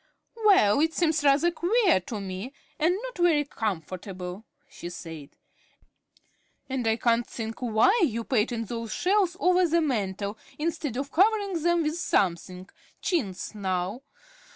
"Well, it seems rather queer to me and not very comfortable," she said. "And I can't think why you painted those shelves over the mantel instead of covering them with something, chintz, now.